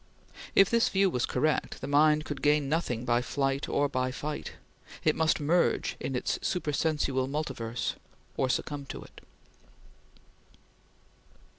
If this view was correct, the mind could gain nothing by flight or by fight; it must merge in its supersensual multiverse, or succumb to it.